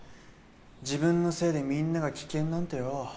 自分のせいでみんなが危険なんてよう。